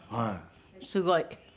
すごい。